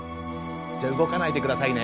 じゃ動かないでくださいね。